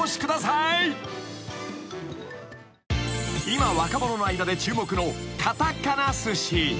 ［今若者の間で注目のカタカナスシ］